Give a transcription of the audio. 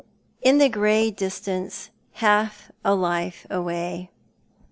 "in the grey distance, half a life away."